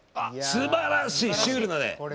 すばらしいシュールなね。